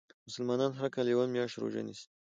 مسلمانان هر کال یوه میاشت روژه نیسي .